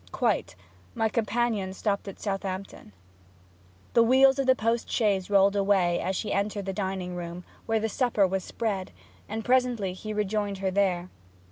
'Quite. My companion stopped at Southampton.' The wheels of the post chaise rolled away as she entered the dining room, where the supper was spread; and presently he rejoined her there.